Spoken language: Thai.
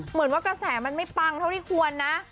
เหมือนว่ากระแสมันไม่ปังเท่าที่ควรนะ